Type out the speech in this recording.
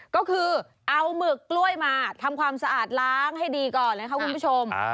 ก็คือเอาหมึกกล้วยมาทำความสะอาดล้างให้ดีก่อนนะคะคุณผู้ชม